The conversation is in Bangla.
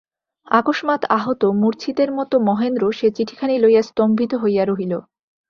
অকস্মাৎ আহত মূর্ছিতের মতো মহেন্দ্র সে-চিঠিখানি লইয়া স্তম্ভিত হইয়া রহিল।